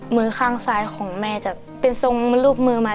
มือข้างซ้ายของแม่จะเป็นทรงรูปมือไหม